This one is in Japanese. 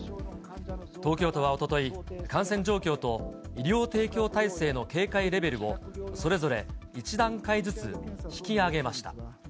東京都はおととい、感染状況と医療提供体制の警戒レベルを、それぞれ１段階ずつ引き上げました。